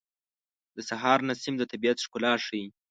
د سهار نسیم د طبیعت ښکلا ښیي.